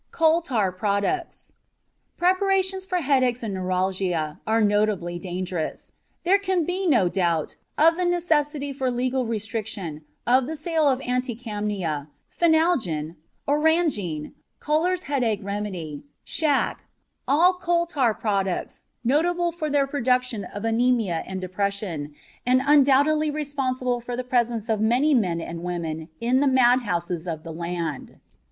COAL TAR PRODUCTS Preparations for headaches and neuralgia are notably dangerous. There can be no doubt of the necessity for legal restriction of the sale of anti kamnia, phenalgin, orangeine, Koehler's headache remedy, shac, all coal tar products notable for their production of anemia and depression, and undoubtedly responsible for the presence of many men and women in the mad houses of the land.